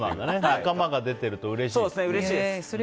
仲間が出てるとうれしいと。